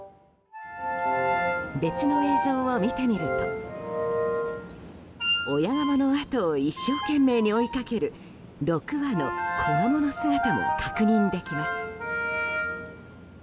別の映像を見てみると親ガモのあとを一生懸命に追いかける６羽の子ガモの姿も確認できます。